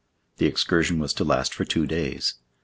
The excursion was to last for two days.